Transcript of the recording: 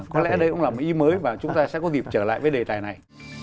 có lẽ đây cũng là một ý mới và chúng ta sẽ có dịp trở lại với đề tài này